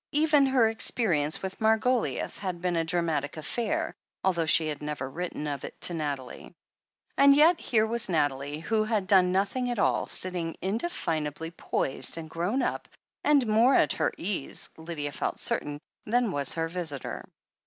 Even her experience with Margoliouth had been a dramatic affair, although she had never written of it to Nathalie. And yet here was Nathalie, who had done nothing at all, sitting indefinably poised and "grown up" and more at her ease, Lydia felt certain, than was her visitor.